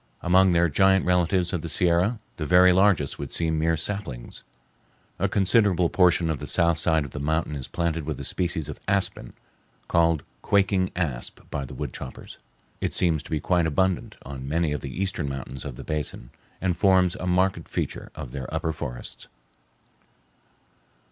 Among their giant relatives of the Sierra the very largest would seem mere saplings. A considerable portion of the south side of the mountain is planted with a species of aspen, called "quaking asp" by the wood choppers. It seems to be quite abundant on many of the eastern mountains of the basin, and forms a marked feature of their upper forests.